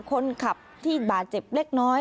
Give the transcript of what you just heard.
คนขับที่บาดเจ็บเล็กน้อย